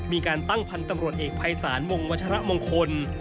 มีการตั้งพันธ์ตำรวจเอกภัยศาลวงวัชระมงคล